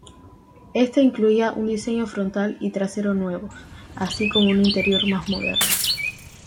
Esta incluía un diseño frontal y trasero nuevos, así como un interior más moderno.